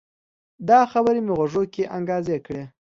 دا خبرې مې غوږو کې انګازې کړي